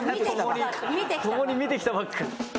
「共に見てきたバッグ」